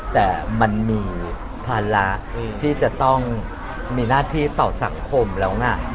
แต่มันมีภาระที่จะต้องมีหน้าที่ต่อสังคมแล้วไง